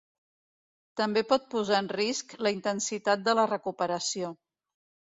També pot posar en risc la intensitat de la recuperació.